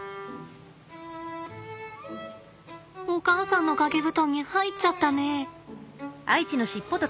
お母さんの掛け布団に入っちゃったね。